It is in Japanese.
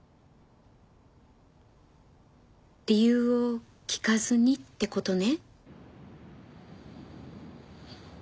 理由を聞かずにって事ね？